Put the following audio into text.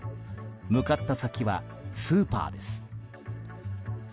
向かった先はスーパーです。